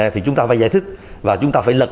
thì chúng ta phải giải thích và chúng ta phải lậ